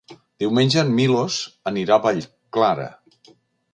Diumenge en Milos anirà a Vallclara.